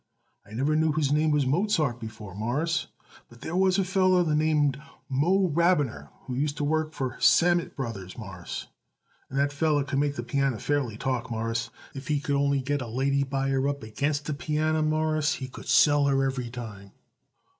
"I never knew his name was Mozart before, Mawruss, but there was a feller by the name Moe Rabiner what used to work for Sammet Brothers, Mawruss, and that feller could make the pianner fairly talk, Mawruss. If he could only get a lady buyer up against a pianner, Mawruss, he could sell her every time."